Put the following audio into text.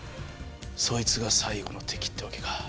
そいつが最後の敵ってわけか。